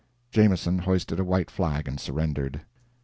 Jameson hoisted a white flag and surrendered.